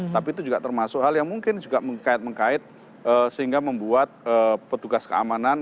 tapi itu juga termasuk hal yang mungkin juga mengkait mengkait sehingga membuat petugas keamanan